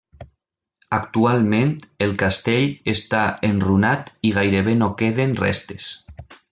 Actualment el castell està enrunat i gairebé no queden restes.